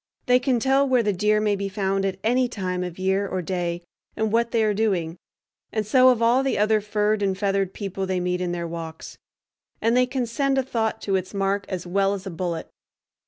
They can tell where the deer may be found at any time of year or day, and what they are doing; and so of all the other furred and feathered people they meet in their walks; and they can send a thought to its mark as well as a bullet.